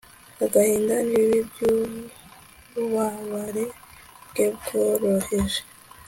agahinda nibibi byububabare bwe bworoheje